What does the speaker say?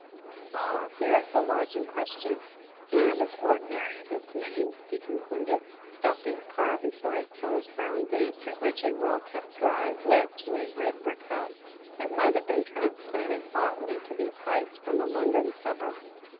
Ah! here is the lodge in question and as ordinary as its name," he concluded, stopping the car before a closed brown gate, through which a well kept drive led to a red brick house, that might have been transplanted bodily to these heights, from a London suburb.